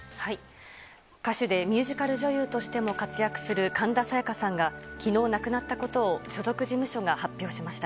歌手でミュージカル女優としても活躍する神田沙也加さんが、きのう亡くなったことを所属事務所が発表しました。